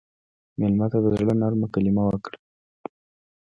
مېلمه ته د زړه نرمه کلمه ورکړه.